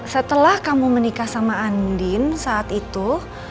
setelah kamu menikah sama andin saat itu